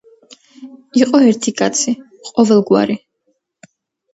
იყო ერთი კაცი, ყოველგვარი